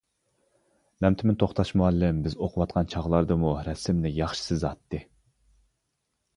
مەمتىمىن توختاش مۇئەللىم بىز ئۇقۇۋاتقان چاغلاردىمۇ رەسىمنى ياخشى سىزاتتى.